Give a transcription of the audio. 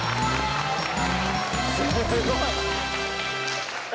すごい。え